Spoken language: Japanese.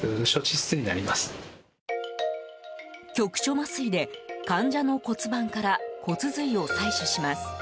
局所麻酔で患者の骨盤から骨髄を採取します。